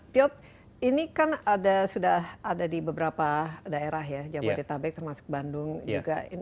piot ini kan sudah ada di beberapa daerah ya jawa detabek termasuk bandung juga